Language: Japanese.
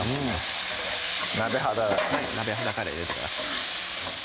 うん鍋肌はい鍋肌から入れてください